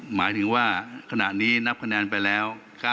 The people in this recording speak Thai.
หมายถึงว่าขณะนี้นับคะแนนไปแล้ว